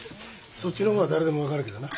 そっちの方は誰でも分かるけどな。